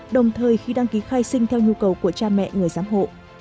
đồng thời khi đăng ký khai sinh theo nhu cầu của cha mẹ người giám hộ